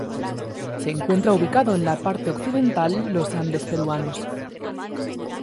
Se encuentra ubicado en la parte occidental los Andes peruanos.